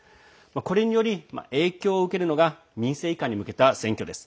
これにより影響を受けるのが民政移管に向けた選挙です。